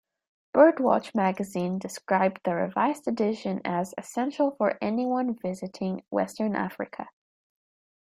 "Birdwatch Magazine" described the revised addition as "essential for anyone visiting western Africa".